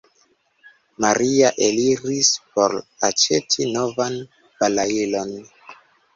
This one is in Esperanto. Maria eliris por aĉeti novan balailon.